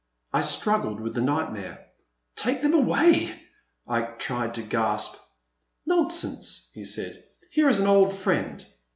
I struggled with the nightmare. Take them away !'* I tried to gasp. Nonsense," he said, here is an old friend."